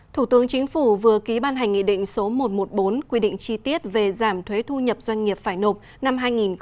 thủ tướng chính phủ vừa ký ban hành nghị định số một trăm một mươi bốn quy định chi tiết về giảm thuế thu nhập doanh nghiệp phải nộp năm hai nghìn hai mươi